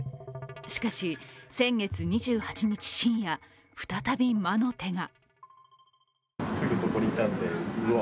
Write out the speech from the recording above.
しかし、先月２８日深夜、再び魔の手が。